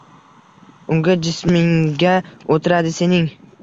Unga jisminggina o’tiradi sening